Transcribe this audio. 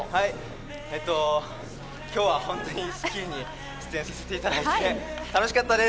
今日は本当に『スッキリ』に出演させていただいて楽しかったです。